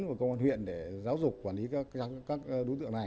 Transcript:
và công an huyện để giáo dục quản lý các đối tượng này